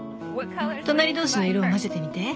隣同士の色を混ぜてみて。